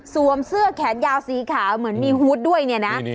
เสื้อแขนยาวสีขาวเหมือนมีฮูตด้วยเนี่ยนะ